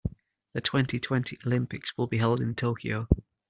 The twenty-twenty Olympics will be held in Tokyo.